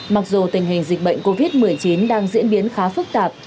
mặc dù tình hình dịch bệnh covid một mươi chín đang diễn biến khá phức tạp